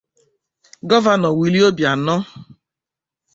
Gọvanọ Willie Obianọ.